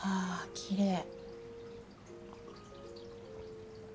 きれい。